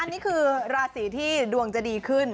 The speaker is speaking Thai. อันนี้คือราศีที่ดวงจะดีขึ้น